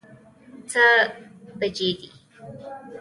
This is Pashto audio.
څه بجې دي؟